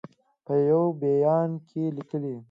په یوه بیان کې لیکلي